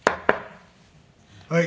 「はい」。